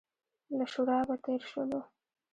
له شورابه تېر شولو.